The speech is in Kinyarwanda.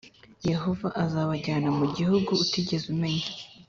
Yehova azabajyana mu gihugu utigeze umenya,